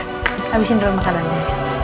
habisin dulu makanannya